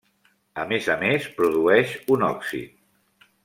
A més a més, produeix un òxid.